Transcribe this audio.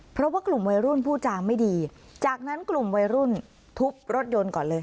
เพราะว่ากลุ่มวัยรุ่นพูดจาไม่ดีจากนั้นกลุ่มวัยรุ่นทุบรถยนต์ก่อนเลย